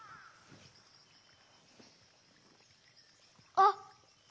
あっ！